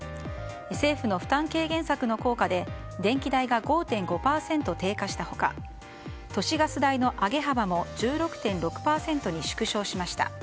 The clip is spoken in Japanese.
政府の負担軽減策の効果で電気代が５．５％低下した他都市ガス代の上げ幅も１６．６％に縮小しました。